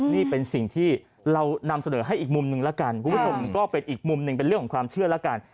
นี่เป็นสิ่งที่เรานำเสนอให้อีกมุมหนึ่งแล้วกันคุณผู้ชมก็เป็นอีกมุมหนึ่งเป็นเรื่องของความเชื่อแล้วกัน